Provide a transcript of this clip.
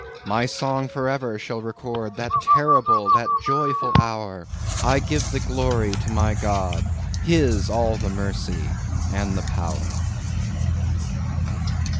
"My song for ever shall record That terrible, that joyful hour; I give the glory to my God, His all the mercy and the power."